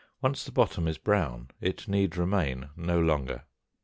Once the bottom is brown it need remain no longer.